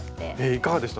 いかがでした？